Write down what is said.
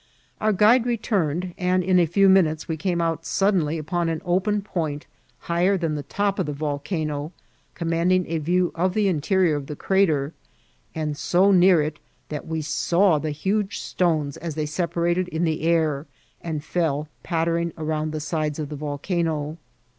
Our guide returned, and in a few minutes we came out suddenly upon an open point, hi^er than the top of the volcano, commanding a view of the interi(»r of the crater, and so near it that we saw die huge stones as they separated in the air, and fell pat* tering around the sides of the volcano.